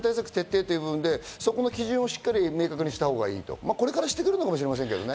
そこの基準をしっかり明確にしたほうがいいと、これからしてくるのかもしれませんけどね。